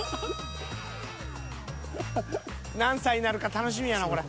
［何歳なるか楽しみやなこれ］